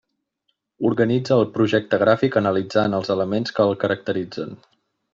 Organitza el projecte gràfic analitzant els elements que el caracteritzen.